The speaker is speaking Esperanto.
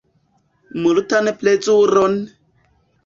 Multan plezuron!